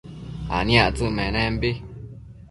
aniactsëc menembi